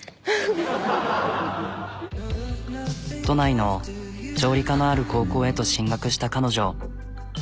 都内の調理科のある高校へと進学した彼女。